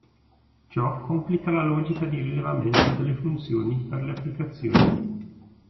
Ciò complica la logica di rilevamento delle funzioni per le applicazioni.